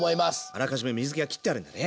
あらかじめ水けは切ってあるんだね。